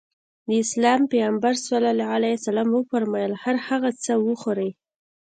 د اسلام پيغمبر ص وفرمايل هر هغه څه وخورې.